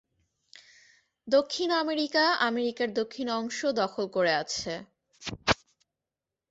দক্ষিণ আমেরিকা, আমেরিকার দক্ষিণ অংশ দখল করে আছে।